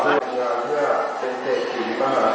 การพุทธศักดาลัยเป็นภูมิหลายการพุทธศักดาลัยเป็นภูมิหลาย